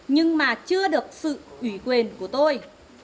nhưng mà chưa được sự ủy quyền của tôi